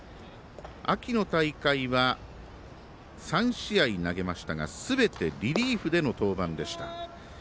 秋の大会は、３試合投げましたがすべて、リリーフでの登板でした。